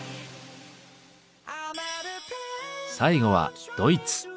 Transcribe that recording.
最後はドイツ。